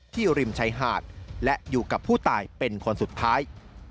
ริมชายหาดและอยู่กับผู้ตายเป็นคนสุดท้าย